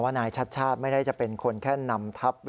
ว่านายชัดไม่ได้จะเป็นคนแค่นำทรัพย์หรือ